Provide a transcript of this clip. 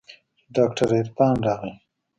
چې ډاکتر عرفان راغى.